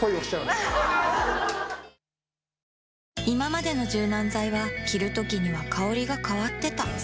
いままでの柔軟剤は着るときには香りが変わってた